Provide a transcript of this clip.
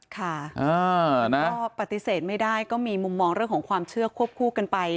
ค่ะก็ปฏิเสธไม่ได้ก็มีมุมมองเรื่องของความเชื่อควบคู่กันไป